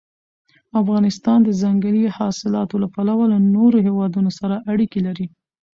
افغانستان د ځنګلي حاصلاتو له پلوه له نورو هېوادونو سره اړیکې لري.